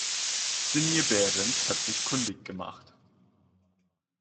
Sinje Behrens hat sich kundig gemacht.